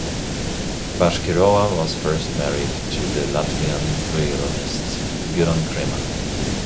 Bashkirova was first married to the Latvian violinist Gidon Kremer.